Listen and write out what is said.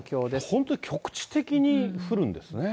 本当に局地的に降るんですね。